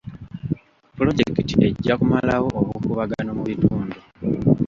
Pulojekiti ejja kumalawo obukuubagano mu bitundu.